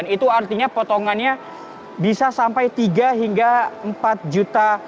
itu artinya potongannya bisa sampai tiga hingga